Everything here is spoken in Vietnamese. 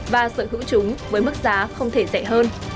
và sở hữu chúng với mức giá không thể rẻ hơn